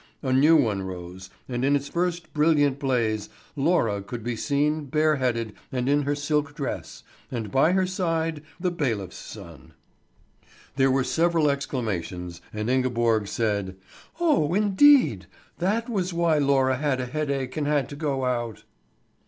A new one rose, and in its first brilliant blaze Laura could be seen bare headed and in her silk dress, and by her side the bailiff's son. There were several exclamations, and Ingeborg said: "Oh indeed! That was why Laura had a headache and had to go out!"